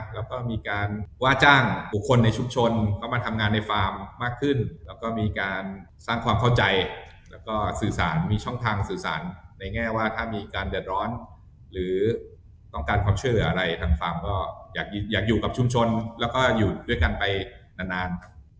แล้วก็มีการว่าจ้างบุคคลในชุมชนเข้ามาทำงานในฟาร์มมากขึ้นแล้วก็มีการสร้างความเข้าใจแล้วก็สื่อสารมีช่องทางสื่อสารในแง่ว่าถ้ามีการเดือดร้อนหรือต้องการความเชื่ออะไรทางฟาร์มก็อยากอยู่กับชุมชนแล้วก็อยู่ด้วยกันไปนานครับ